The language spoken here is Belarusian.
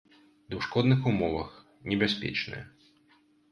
Ды ў шкодных умовах, небяспечная.